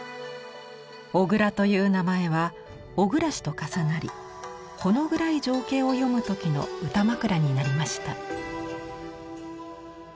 小倉という名前は「小暗し」と重なりほの暗い情景を詠む時の歌枕になりました。